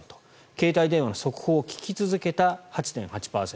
携帯電話の速報を聞き続けた８．８％。